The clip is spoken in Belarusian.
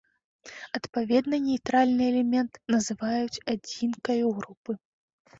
Адпаведна, нейтральны элемент называюць адзінкаю групы.